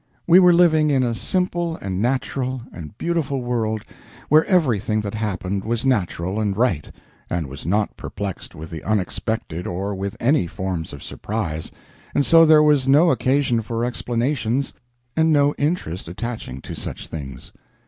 We were living in a simple and natural and beautiful world where everything that happened was natural and right, and was not perplexed with the unexpected or with any forms of surprise, and so there was no occasion for explanations and no interest attaching to such things.